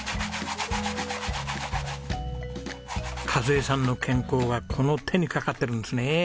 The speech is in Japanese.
和枝さんの健康がこの手にかかってるんですね。